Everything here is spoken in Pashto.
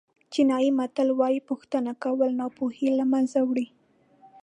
چینایي متل وایي پوښتنه کول ناپوهي له منځه وړي.